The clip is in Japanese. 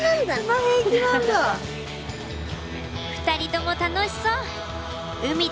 ２人とも楽しそう！